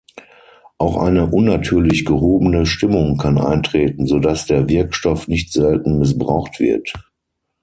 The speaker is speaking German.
Auch eine unnatürlich gehobene Stimmung kann eintreten, sodass der Wirkstoff nicht selten missbraucht wird.